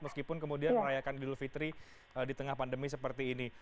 meskipun kemudian merayakan idul fitri di tengah pandemi seperti ini